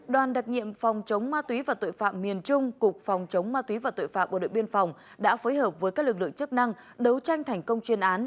đoàn đặc nhiệm phòng chống ma túy và tội phạm miền trung cục phòng chống ma túy và tội phạm bộ đội biên phòng đã phối hợp với các lực lượng chức năng đấu tranh thành công chuyên án